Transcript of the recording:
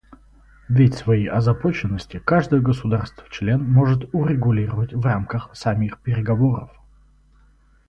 Ведь свои озабоченности каждое государство-член может урегулировать в рамках самих переговоров.